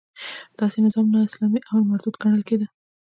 داسې نظام نا اسلامي او مردود ګڼل کېده.